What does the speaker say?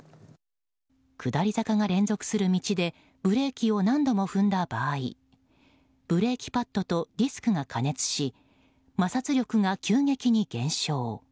下り坂が連続する道でブレーキを何度も踏んだ場合ブレーキパッドとディスクが過熱し摩擦力が急激に減少。